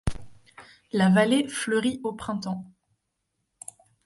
La vallée fleurit au printemps.